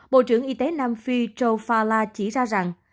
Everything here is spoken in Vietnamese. bộ trưởng y tế nam phi joe fala chỉ ra rằng